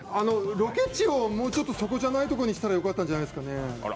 ロケ地をもうちょっとそこじゃないところにしたらよかったんじゃないですかね。